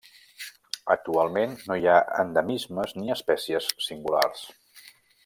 Actualment no hi ha endemismes ni espècies singulars.